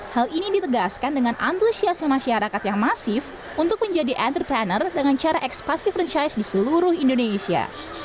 hal ini ditegaskan dengan antusiasme masyarakat yang masif untuk menjadi entrepreneur dengan cara ekspasi franchise di seluruh indonesia